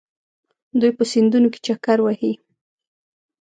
دوی په سیندونو کې چکر وهي.